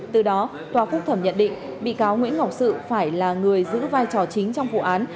từ đó tòa phúc thẩm nhận định bị cáo nguyễn ngọc sự phải là người giữ vai trò chính trong vụ án